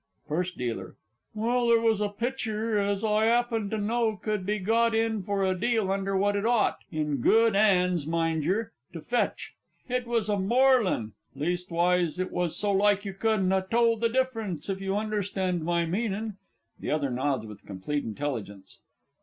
FIRST D. Well, there was a picter as I 'appened to know could be got in for a deal under what it ought in good 'ands, mind yer to fetch. It was a Morlan' leastwise, it was so like you couldn't ha' told the difference, if you understand my meanin'. (_The other nods with complete intelligence.